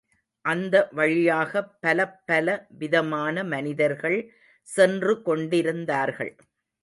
அந்த வழியாகப் பலப்பல விதமான மனிதர்கள் சென்று கொண்டிருந்தார்கள்.